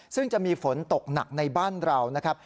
ซึ่งจะมีฝนตกหนักในบ้านเรานะครับ